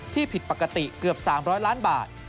ผิดปกติเกือบ๓๐๐ล้านบาท